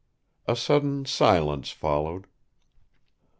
A sudden silence followed.